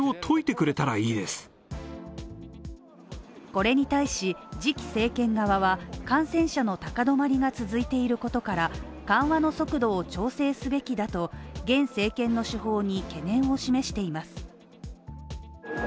これに対し、次期政権側は感染者の高止まりが続いていることから緩和の速度を調整すべきだと、現政権の手法に懸念を示しています。